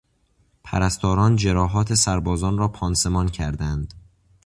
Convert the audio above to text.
پرستاران جراحات سربازان را پانسمان کردند.